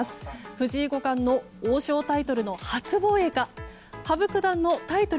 藤井五冠の王将タイトルの初防衛か羽生九段のタイトル